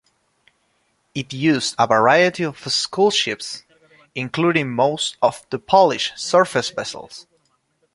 It used a variety of school ships, including most of the Polish surface vessels.